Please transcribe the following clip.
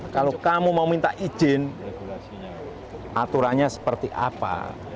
kalau kamu mau minta izin aturannya seperti apa